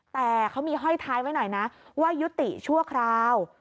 แต่เขามีห้อยท้ายไว้หน่อยนะว่ายุติชั่วคราว